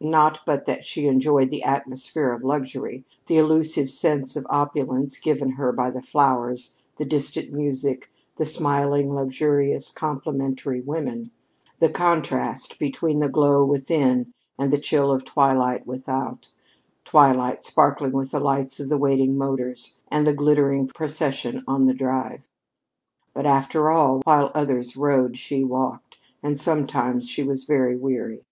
Not but that she enjoyed the atmosphere of luxury the elusive sense of opulence given her by the flowers, the distant music, the smiling, luxurious, complimentary women, the contrast between the glow within and the chill of twilight without twilight sparkling with the lights of the waiting motors, and the glittering procession on the Drive. But, after all, while others rode, she walked, and sometimes she was very weary.